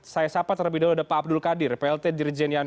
saya sapa terlebih dahulu ada pak abdul qadir plt dirjen yan